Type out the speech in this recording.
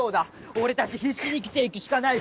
俺たち必死に生きていくしかない